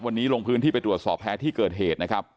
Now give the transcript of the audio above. วันนี้ลงพื้นที่ไปตรวจสอบแพ้ที่เกิดเหตุนะครับ